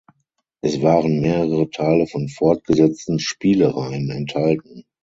Es waren mehrere Teile von fortgesetzten Spiele-Reihen enthalten.